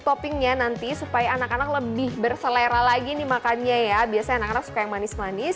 toppingnya nanti supaya anak anak lebih berselera lagi nih makannya ya biasanya anak anak suka yang manis manis